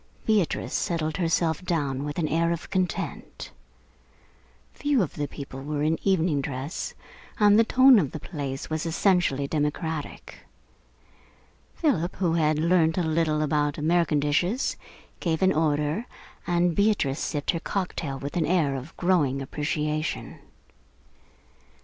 Beatrice settled herself down with an air of content. Few of the people were in evening dress, and the tone of the place was essentially democratic. Philip, who had learnt a little about American dishes, gave an order, and Beatrice sipped her cocktail with an air of growing appreciation.